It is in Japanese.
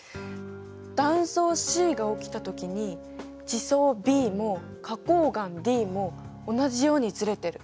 断層Ｃが起きたときに地層Ｂも花こう岩Ｄも同じようにずれてる。